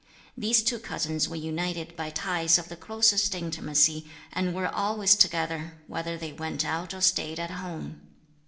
These two cousins were united by ties of the closest intimacy, and were always together, whether they went out or stayed at home.